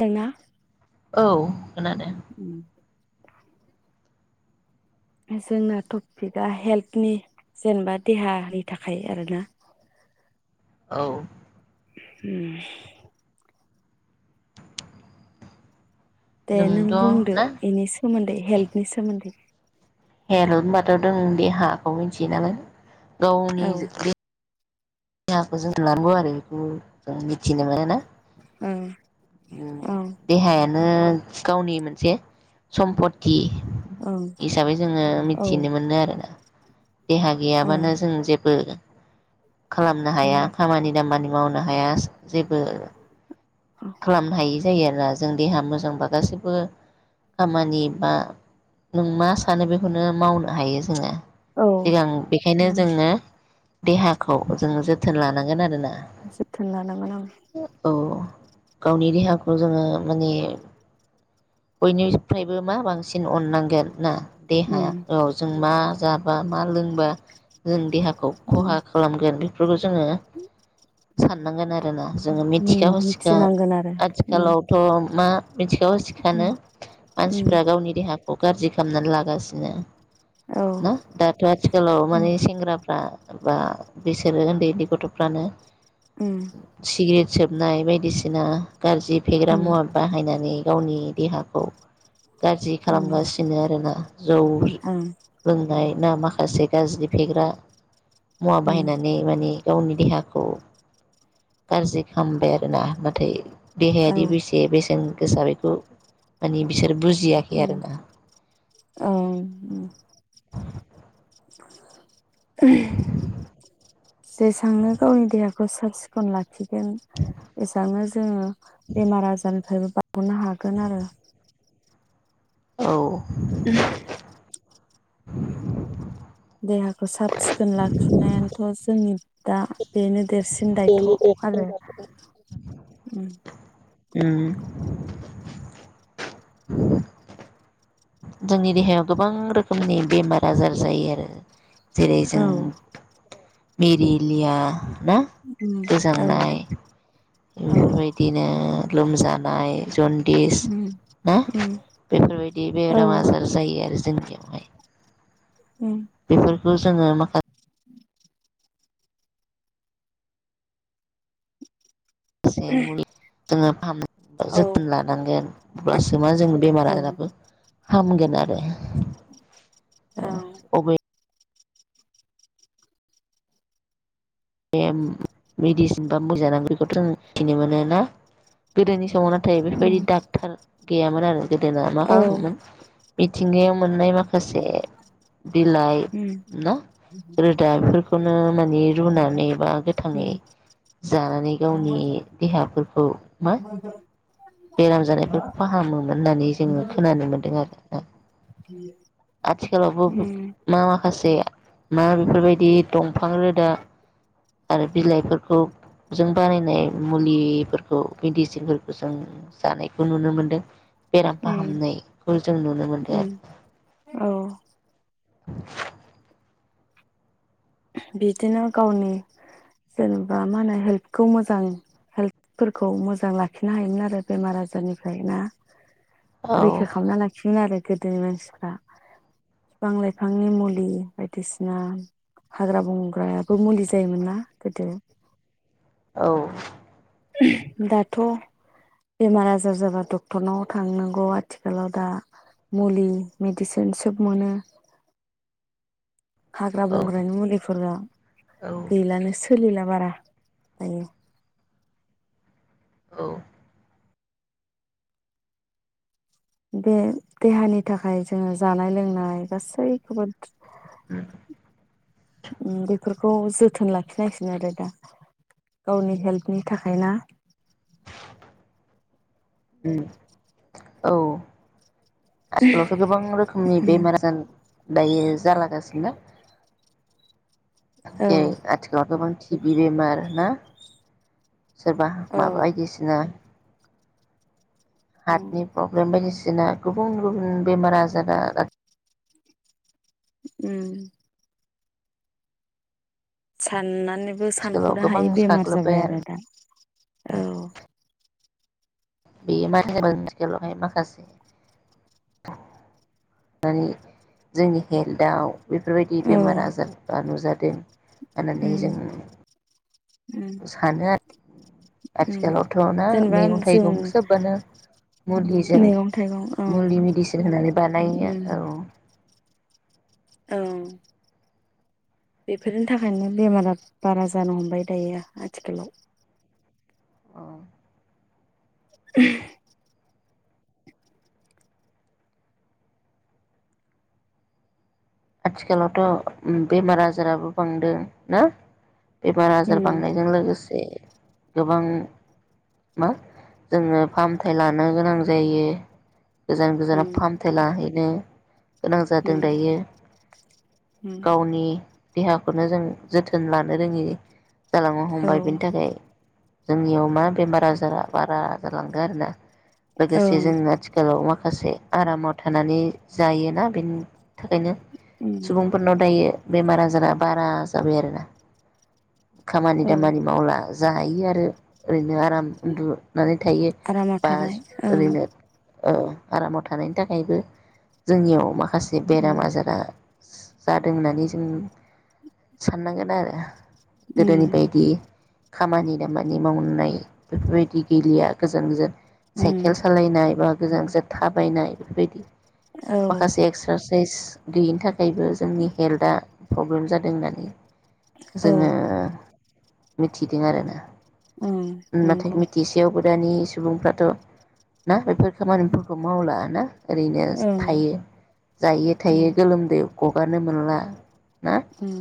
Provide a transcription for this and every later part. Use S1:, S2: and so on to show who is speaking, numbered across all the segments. S1: दोंना
S2: औ खोनादों
S1: उम जोंना टपिकआ हेल्थनि जेनेबा देहानि थाखाय आरोना
S2: औ
S1: उम दे नों
S2: जोंथ'
S1: बुंदो
S2: ना
S1: बेनि सोमोन्दै हेल्थनि सोमोन्दै
S2: हेल' होनबाथ' दों देहाखौ मिथियो नालाय गावनि
S1: औ
S2: देहाखौ जोथोन लानांगौ आरो बिदिनो जों मिथिनो मोनो ना
S1: ओं
S2: ओम देहाया ओम गावनि मोनसे सम्पति हिसाबै जोङो
S1: औ
S2: मिथिनो मोनो आरोना देहा
S1: औ
S2: गैयाबानो जों जेबो खालामनो हाया खामानि दामानि मावनो हाया जेबो खालामनो हायो जायो आरोना जों देहा मोजांबा गासैबो खामानि बा नों मा सानो बेखौनो मावनो हायो जोङो
S1: औ
S2: सिगां बेखायनो जोङो देहाखौ जोङो जोथोन लानांगोन आरोना
S1: जोथोन लानांगोन औ
S2: औ गावनि देहाखौ जोङो माने बयनिफ्रायबो मा बांसिन अननांगोन ना?
S1: उम
S2: देहाया औ जों मा जाबा मा लोंबा जों देहाखौ
S1: उम
S2: खहा खालामगोन बेफोरखौ जोङो साननांगोन आरो ना जोङो
S1: उम
S2: मिथिखा हसिखा
S1: मिथिनांगोन आरो उम
S2: आथिखालावथ मा मिथिखा हसिखानो
S1: उम
S2: मानसिफोरा गावनि देहा खौ गाज्रि खालामनानै लागासिनो
S1: औ
S2: ना दाथ आथिखालाव
S1: उम
S2: माने सेंग्राफ्रा बा बिसोरो उनदै उनदै गथ'फोरानो
S1: उम
S2: सिग्रेट सोबनाय बायदिसिना गाज्रि फेग्रा
S1: उम
S2: मुवा बाहायनानै गावनि देहाखौ गाज्रि
S1: उम
S2: खालामगासिनो आरोना जौ
S1: उम
S2: लोंनाय ना माखासे गाज्रि फेग्रा मुवा बाहायनानै माने गावनि देहाखौ गाज्रि खालामबाय आरोना नाथाय
S1: औ
S2: देहायादि बेसे बेसेन गोसा बेखौ माने बिसोर बुजि
S1: उम औ जेसांनो गावनि देहाखौ साब सिखोन लाखि गोन एसांनो जोङो बेमार आजारनिफ्रायबो बा गनो हागोन आरो
S2: औ
S1: [unintelligible]
S2: [inaudible]
S1: देहाखौ साब सिखोन लाखिनायथ जोंनि दा बेनो देरसिन दायथ आरो
S2: उम जोंनि देहायाव गोबां रोखोमनि बेमार आजार जायो आरो जेरै
S1: औ
S2: जों मिरिलिया ना
S1: औ
S2: गोजांनाय
S1: औ
S2: बेफोरबायदिनो लोमजानाय जन दिस
S1: उम औ
S2: ना
S1: उम
S2: बेफोरबायदि बे
S1: औ
S2: राम आजार जायो आरो जोंनियावहाय बेफोर ल जोङो माखा
S1: [inaudible]
S2: खासे मुलि जोङो फाहाम जोथोन
S1: ओं
S2: लानांगोन अब्लासो मा जों बेमार आजाराबो हामगोन आरो
S1: औ
S2: अबे [unintelligible] थाय बेफोरबायदि
S1: उम
S2: डाक्टार गैयामोन आरो गोदोना मा
S1: औ
S2: खालामोमोन बि थिंगायाव मोननाय माखासे बिलाइ
S1: उम
S2: ना रोदा बेफोरखौनो माने रुना ने बा गोथाङै
S1: उम
S2: जानानै गावनि देहाफोर औ मा बेराम जानायफोरखो फाहामोमोन होननानै जोङो खोनानो मोन्दों आरो आथिखालावबो
S1: उम
S2: [unintelligible] मा माखासे ना बेफोरबायदि दंफां रोदा आरो बिलाइफोरखौ जों बानायनाय मुलिफोरखौ मेडिसिनफोरखो सो जों जानायखौ नुनो मोनदों बेराम
S1: उम
S2: फाहामनायखौ जों नुनो मोनदों
S1: उम
S2: आरो ना
S1: औ
S2: [inaudible]
S1: बिदिनो गावनि जेनेबा मा होनो हेल्थखौ मोजां हेल्थफोरखौ मोजां लाखिनो हायोमोन आरो बेमार आजारनिफ्राय ना
S2: औ
S1: रैखा खालामना लाखियोमोन आरो गोदोनि मानसिफ्रा बिफां लाइफांनि मुलि बायदिसिना हाग्रा बंग्रायाबो मुलि जायोमोन ना गोदो
S2: औ
S1: दाथ' बेमार आजार जाबा डक्टरनाव थांनांगौ आथिखालाव दा मुलि मेडिसिन सोब मोनो हाग्रा
S2: औ
S1: बंग्रानि मुलिफोरा
S2: औ
S1: गैलानो सो सोलिला बारा थायो
S2: औ
S1: बे देहानि थाखाय जोङो जानाय -लोंनाय गासैखौबो [unintelligible] बेफोर खौ जोथोन लाखिनांसिगोन आरो दा गावनि हेल्पनि थाखायना
S2: ओम औ आथिखालावथ' गोबां रोखोमनि बेमार-आजार दायो जालागासिनो
S1: औ
S2: जे आथिखालाव गोबां [unintelligible] बेमार ना सोरबा माबा
S1: औ
S2: बायदिसिना हार्टनि प्रब्लेम बायदि जोंना गुबुन गुबुन बेमार आजारा
S1: ओम साननानै बो
S2: आथिखालाव
S1: सानख'नो
S2: गोबां
S1: हायि बेमार
S2: साग्लोबबाय
S1: जाबाय आरो दा औ
S2: बेयो मानो आथिखालावहाय माखासे माने जोंनि हेल्थआव बेफोरबायदि बेमार
S1: उम
S2: आजारफ्रा नुजादों होननानै जोङो
S1: उम
S2: सानो आरो
S1: उम
S2: आथिखालावथ'ना
S1: जेनेबा
S2: मैगं
S1: जों
S2: थाइगं सोबबानो मुलिजों
S1: मैगं थाइगं ओं
S2: मुलि मेडिसिन होनानै बानायो औ
S1: औ बेफोरनि थाखायनो बेमारा बारा जानो हमबाय दायो आथिखालाव [unintelligible]
S2: आथिखालावथ' बेमार आजाराबो बांदों ना? [unintelligible] आजार
S1: उम
S2: बांनायजों लोगोसे गोबां मा जोङो फाहामथाय लानो गोनां जायो गोजान गोजान
S1: उम
S2: फाहामथाय लाहै न' गोनां जादों
S1: उम
S2: दायो
S1: उम
S2: गावनि देहाखौनो जों जोथोन लानो रोङि जालांनो
S1: औ
S2: हमबाय बेनि थाखाय जोंनियाव मा बेमार आजारा बारा जालांदों आरोना लोगोसे
S1: ओं
S2: जों आथिखालाव माखासे आरामाव थानानै जायोना बेनि थाखायनो
S1: उम
S2: सुबुंफोरनाव दायो बेमार आजारा बारा जाबाय आरोना खामानि
S1: औ
S2: दामानि मावला जायो आरो ओरैनो आराम उन्दुनानै थायो
S1: आरामाव
S2: बा
S1: थानाय ओं
S2: ओरैनो आरामाव थानायनि थाखायबो जोंनियाव माखासे जे
S1: उम
S2: बेराम आजारा जादों होननानै जों साननांगोन आरो गोदानि
S1: उम
S2: बायदि खामानि दामानि मावनाय बेफोरबायदि गैलिया गोजान गोजान
S1: उम
S2: साइकेल सालायनाय बा गोजान गोजान थाबायनाय बेफोरबायदि
S1: औ
S2: माखासे एक्सारसाइस गैयि बेनि थाखायबो जोंनि हेल्था प्रब्लेम जादों होननानै
S1: औ
S2: जोङो मिथिदों आरोना
S1: ओं
S2: नाथाय
S1: नंगौ
S2: मिथिसेयावबो दानि सुबुंफ्राथ' ना बेफोर खामानिफोरखौ मावला ना ओरैनो
S1: औ
S2: थायो जायो थायो
S1: उम
S2: गोलोमदै गगारनो मोनला ना
S1: उम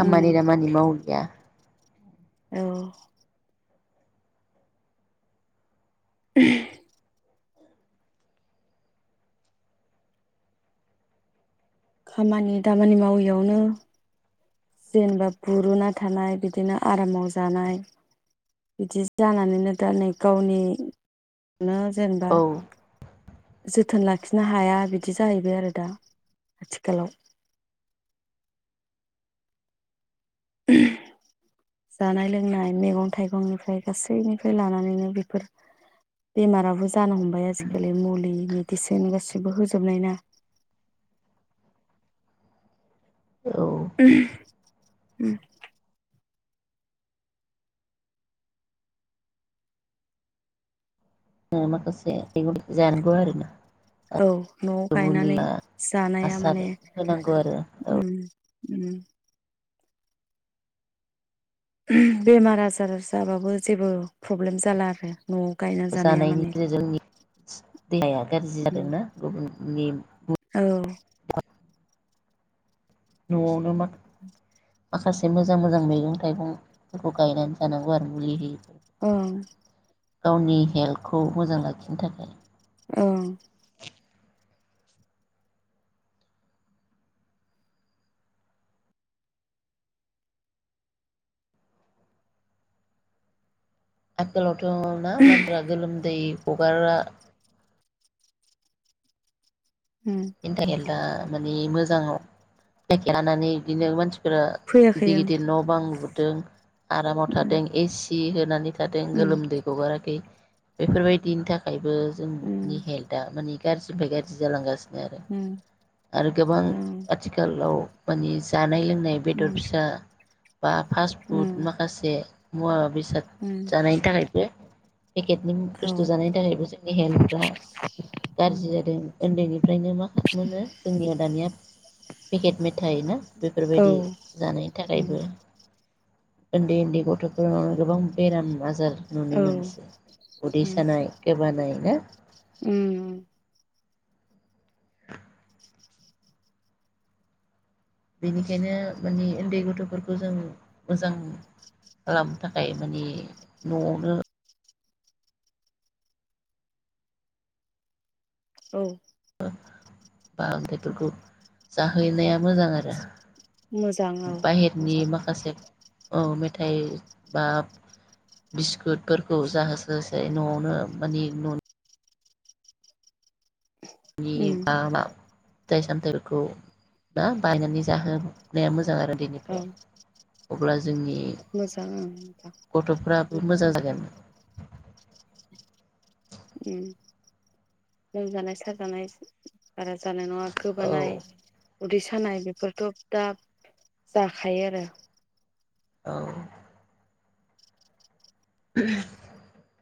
S2: खामानि
S1: उम
S2: दामानि मावलिया
S1: औ खामानि दामानि मावियावनो जेनेबा बुरुना थानाय बिदिनो आरामाव जानाय बिदि जानानैनो दा नै गावनि जेनेबा
S2: औ
S1: जोथोन लाखि लाखिनो हाया बिदि जाहैबाय आरो दा आथिखालाव उम जानाय लोंनाय मैगं थाइगंनिफ्राय गासैनिफ्राय लानानैनो बेफोर बेमाराबो ज जानो हमबाय आजिखालि मुलि मेदिसेन गासिबो होजोबनाय ना
S2: औ
S1: उम
S2: [unintelligible] जानांगौ आरोना
S1: औ न'आव
S2: मुलि
S1: गायनानै जानाया
S2: हासार
S1: माने
S2: होनांगौ आरो
S1: उम उ बेमार आजार जाबाबो जेबो प्रब्लेम जाला आरो न'आव गायना जानाया माने
S2: जानायनिफ्राय जोंनि देहाया गाज्रि
S1: औ
S2: जादोंना गुबुननि न'आवनो मा
S1: [inaudible]
S2: माखासे मोजां मोजां मैगं थाइगंफोरखौ गायनानै जानांगौ आरो मुलि होयिखौ
S1: औ
S2: गावनि हेल्थखौ मोजां लाखिनो थाखाय
S1: औ
S2: [unintelligible] [unintelligible] गोलोम दै हगारा
S1: उ
S2: बेनि थाखाय दा मानिे मोजाङाव जे लानानै बिदिनो मानसि फोर
S1: फैयाखै
S2: गिदिर गिदिर न' बां लु दों आरामाव
S1: ओं
S2: थादों एसि होननानानै जाहाथे
S1: उम
S2: गोलोमदै हगाराखै बेफोरबायदिनि थाखाय बो जोंनि
S1: उम
S2: हेल्था माने गाज्रिनिफ्राय गाज्रि जालांगासिनो आरो
S1: उम
S2: आरो गोबां
S1: उम औ
S2: आथिखालाव जानाय है बेदर
S1: उम
S2: फिसा बा फास्ट फुड
S1: उम
S2: माखासे मूवा बेसाद
S1: उम
S2: जानायनि थाखाय दे पेकेटनि
S1: औ
S2: बुस्थु जानायनि थाखायबो जोंनि हेल्थफ्रा
S1: उम
S2: गाज्रि जादों उन्दैनि ज मेथाइ ना बेफोरबायदि
S1: औ उम
S2: जानायनि थाखायबो उन्दै उन्दै गथ'फोराव गोबां बेराम आजार नुनो
S1: औ
S2: मोनसै उदै
S1: उम
S2: सानाय गोबानाय ना
S1: उम
S2: बेनिखायनो माने उन्दै गथ'फोरखौ जों मोजां खालामनो थाखाय माने न'आवनो
S1: औ
S2: बा बेफोरखौ जाहैनाया मोजां आरो
S1: मोजां औ
S2: बाहेरनि
S1: मोजां
S2: माखासे औ मेथाइ बा बिस्कुटफोरखौ जाहोसो होसै न'आवनो मानि न'नि दे [inaudible]
S1: उम
S2: फिथाइ सामथायाइफोरखौ ना बायनानै जाहोनाया मोजां आरो
S1: औ
S2: उनदैनिफ्राय अब्ला जोंनि
S1: मोजां ओं मोजां
S2: गथ'फ्राबो मोजां जागोन
S1: उम लोमजानाय साजानाय बारा जानाय नङा
S2: औ
S1: गोबानाय उदै सानाय बेफोरथ' दा जाखायो आरो
S2: औ [inaudible]